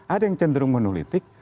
ada yang cenderung monolitik